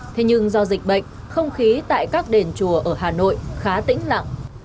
thế nhưng do dịch bệnh không khí tại các đền chùa ở hà nội khá tĩnh lặng